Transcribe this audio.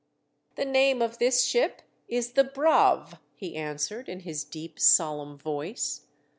'• The name of this ship is the Braave," he answered, in his deep, solemn voice.